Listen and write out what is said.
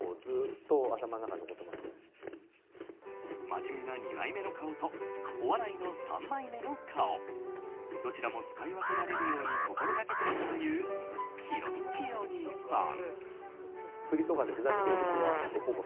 真面目な二枚目の顔とお笑いの三枚目の顔どちらも使い分けられるように心がけてきたというひろみちお兄さん。